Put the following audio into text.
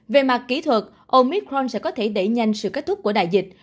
về mặt kỹ thuật omitron sẽ có thể đẩy nhanh sự kết thúc của đại dịch